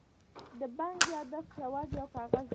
د بانک یادښت یوازې یو کاغذ دی.